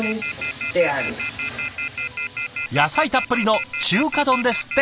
野菜たっぷりの中華丼ですって。